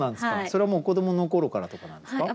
それはもう子どもの頃からとかなんですか？